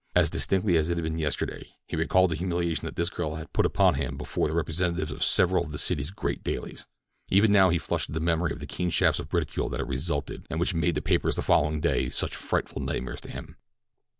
As distinctly as it had been yesterday he recalled the humiliation that this girl had put upon him before the representatives of several of the city's great dailies. Even now he flushed at the memory of the keen shafts of ridicule that had resulted, and which had made the papers of the following day such frightful nightmares to him.